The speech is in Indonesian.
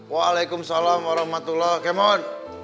waalaikumsalam warahmatullah kemot